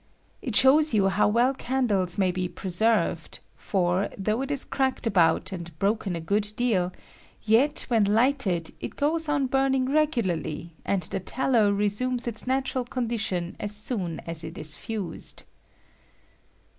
It shows you how well candles may be preserved; for, though it is cracked about and broken a good deal, yet when light ed it goes on burning regularly, and the tallow resumes its natural condition as soon as it is fiised.